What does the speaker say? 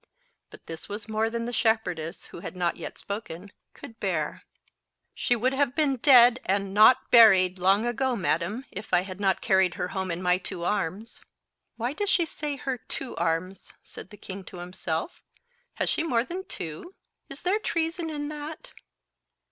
But this was more than the shepherdess, who had not yet spoken, could bear. "She would have been dead, and not buried, long ago, madam, if I had not carried her home in my two arms." "Why does she say her two arms?" said the king to himself. "Has she more than two? Is there treason in that?"